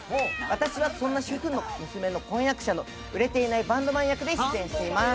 私はそんな主婦の娘の婚約者の売れていないバンドマン役で出演しています